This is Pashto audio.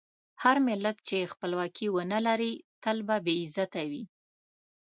هر ملت چې خپلواکي ونه لري، تل به بې عزته وي.